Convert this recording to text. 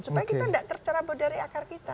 supaya kita tidak tercara bodari akar kita